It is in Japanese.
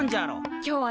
今日はね